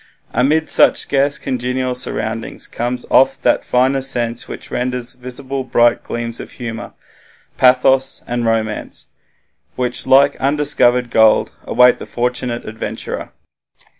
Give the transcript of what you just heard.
Amid such scarce congenial surroundings comes oft that finer sense which renders visible bright gleams of humour, pathos, and romance, which, like undiscovered gold, await the fortunate adventurer.